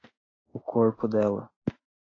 O corpo dela